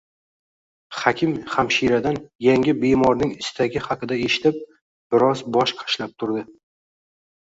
Hakim hamshiradan yangi bemorning istagi haqida eshitib, biroz bosh qashlab turdi